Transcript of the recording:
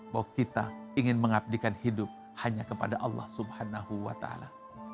bahwa kita ingin mengabdikan hidup hanya kepada allah subhanahu wa ta'ala